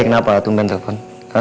ya kenapa tumpen telepon